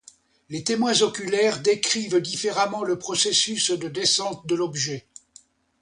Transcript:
Les témoins oculaires décrivirent différemment le processus de descente de l'objet.